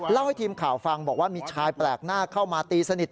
ให้ทีมข่าวฟังบอกว่ามีชายแปลกหน้าเข้ามาตีสนิท